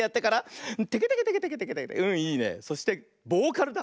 そしてボーカルだ。